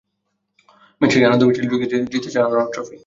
Match শেষে আনন্দ মিছিলে যোগ দিয়ে জানিয়েছেন, জিততে চান আরও অনেক ট্রফি।